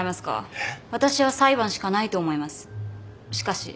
えっ？